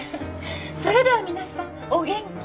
それでは皆さんお元気で。